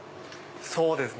そうですね。